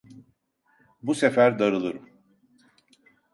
Bu sefer darılırım!